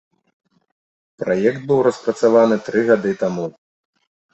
Праект быў распрацаваны тры гады таму.